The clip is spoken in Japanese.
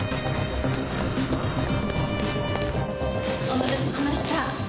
お待たせしました。